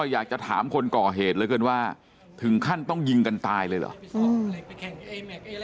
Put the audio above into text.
อยากจะถามคนก่อเหตุเหลือเกินว่าถึงขั้นต้องยิงกันตายเลยเหรอ